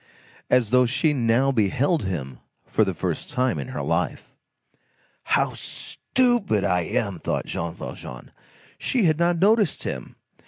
As though she now beheld him for the first time in her life. "How stupid I am!" thought Jean Valjean. "She had not noticed him.